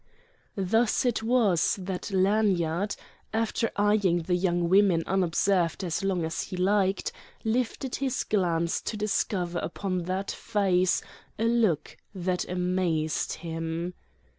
Thus it was that Lanyard, after eyeing the young women unobserved as long as he liked, lifted his glance to discover upon that face a look that amazed him.